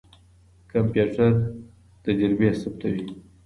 کمپيوټر تجربې ثبتوي.